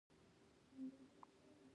مخالف خوځښتونه ژر زیان نه شي.